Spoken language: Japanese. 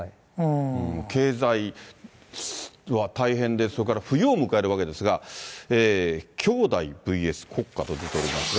経済は大変で、これから冬を迎えるわけですが、兄妹ＶＳ国家と出ておりますが。